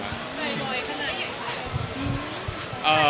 เหมือนที่นี่แล้ว